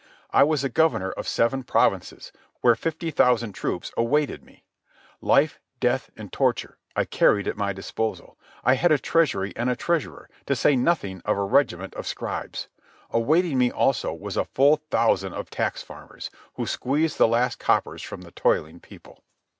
I was a governor of seven provinces, where fifty thousand troops awaited me. Life, death, and torture, I carried at my disposal. I had a treasury and a treasurer, to say nothing of a regiment of scribes. Awaiting me also was a full thousand of tax farmers; who squeezed the last coppers from the toiling people.